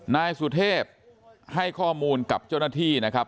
นายสุเทพให้ข้อมูลกับเจ้าหน้าที่นะครับ